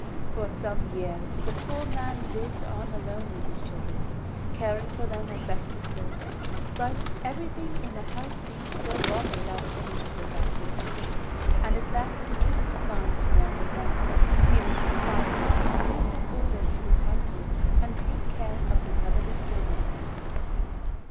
For some years the poor man lived on alone with the children, caring for them as best he could; but everything in the house seemed to go wrong without a woman to look after it, and at last he made up his mind to marry again, feeling that a wife would bring peace and order to his household and take care of his motherless children.